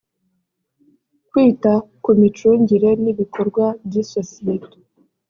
kwita ku micungire n’ibikorwa by’isosiyete